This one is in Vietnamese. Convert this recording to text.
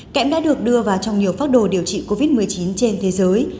kẽm đã được đưa vào trong nhiều phác đồ điều trị covid một mươi chín trên thế giới